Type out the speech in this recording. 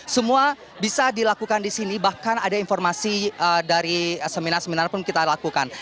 semua bisa dilakukan di sini bahkan ada informasi dari seminar seminar pun kita lakukan